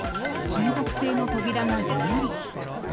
金属製の扉がぐにゃり。